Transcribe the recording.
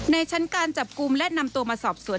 ในชั้นการจับกลุ่มและนำตัวมาสอบสวน